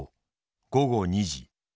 午後二時。